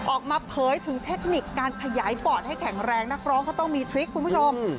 ออกมาเผยถึงเทคนิคการขยายปอดให้แข็งแรงนักร้องเขาต้องมีทริคคุณผู้ชม